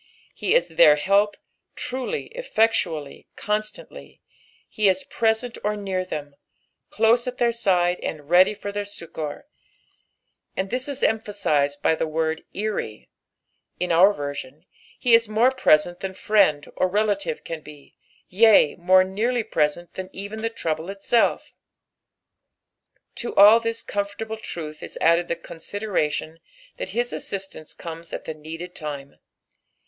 He is their help, trulj, enectaallf, constantly ; he is present or near them, cloae at their side and readj for their succour, and this is emphaaized by the word " wry" in our version, he u more preseot than fiiend or relative can be, yea, more nearly preseot than even Uie trouble itself.. To all this comfortable truth is added the consideiation that his asBistance comes at the needed time.